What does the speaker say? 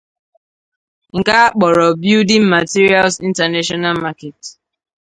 nke a kpọrọ "Building Materials International Market